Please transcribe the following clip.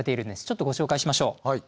ちょっとご紹介しましょう。